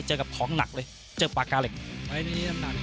เจอกับของหนักเลยเจอกับปากกาเหล็กไฟต์นี้น้ำหนัก